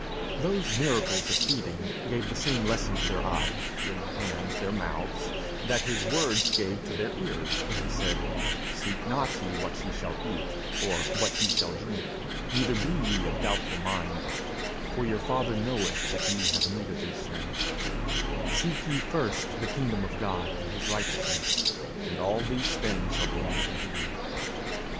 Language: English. Those miracles of feeding gave the same lesson to their eyes, their hands, their mouths, that his words gave to their ears when he said, 'seek not ye what ye shall eat, or what ye shall drink, neither be ye of doubtful mind; for your Father knoweth that ye have need of these things;' 'Seek ye first the kingdom of God, and his righteousness, and all these things shall be added unto you.'